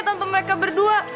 tanpa mereka berdua